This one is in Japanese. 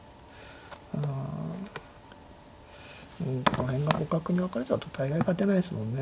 ここら辺が互角に分かれちゃうと大概勝てないですもんね。